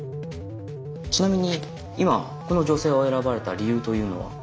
ちなみに今この女性を選ばれた理由というのは？